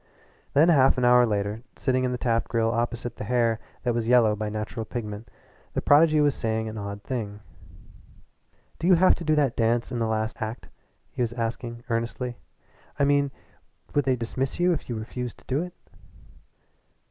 Then half an hour later, sitting in the Taft Grill opposite the hair that was yellow by natural pigment, the prodigy was saying an odd thing. "Do you have to do that dance in the last act?" he was asking earnestly "I mean, would they dismiss you if you refused to do it?"